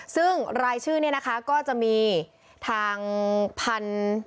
ซึ่งรายชื่อเนี่ยนะคะก็จะมีทางพันธุ์